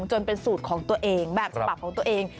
จนเป็นสูตรของตัวเองแบบฉบับของตัวเอง